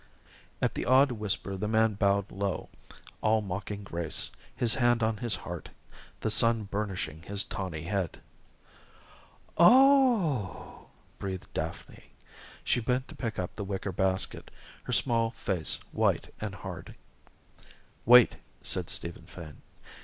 At the awed whisper the man bowed low, all mocking grace, his hand on his heart the sun burnishing his tawny head. "Oh h!" breathed Daphne. She bent to pick up the wicker basket, her small face white and hard. "Wait!" said Stephen Fane.